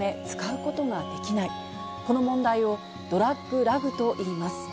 この問題をドラッグ・ラグといいます。